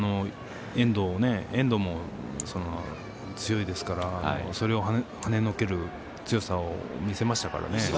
遠藤も強いですからそれをはねのける強さも見せましたからね。